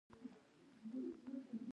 له اجنډا بهر هم ډېرې کیسې دي.